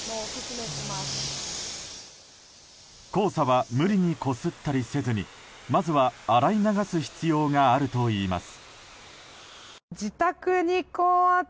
黄砂は無理にこすったりせずにまずは洗い流す必要があるといいます。